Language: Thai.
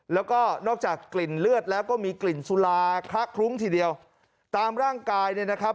แล้วก็นอกจากกลิ่นเลือดแล้วก็มีกลิ่นสุราคละคลุ้งทีเดียวตามร่างกายเนี่ยนะครับ